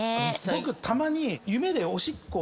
僕たまに。